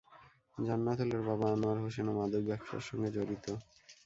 জান্নাতুলের বাবা আনোয়ার হোসেনও মাদক ব্যবসার সঙ্গে জড়িত।